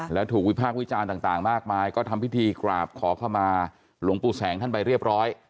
แล้วถูกวิพากษ์วิจารณ์ต่างมากมายก็ทำพิธีกราบขอเข้ามาหลวงปู่แสงท่านไปเรียบร้อย